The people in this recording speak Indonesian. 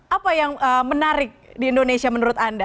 apa yang menarik di indonesia menurut anda